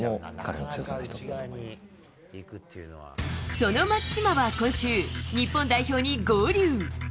その松島は今週、日本代表に合流。